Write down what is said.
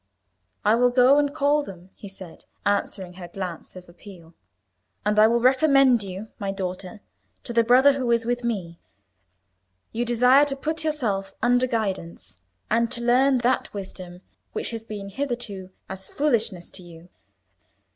"I will go and call them," he said, answering her glance of appeal; "and I will recommend you, my daughter, to the Brother who is with me. You desire to put yourself under guidance, and to learn that wisdom which has been hitherto as foolishness to you.